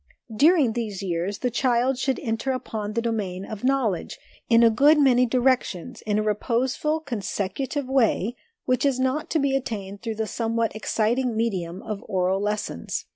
During these years the child should enter upon the domain of knowledge, in a good many directions, in a reposeful, consecutive way, which is not to be attained through the somewhat exciting medium of oral lessons.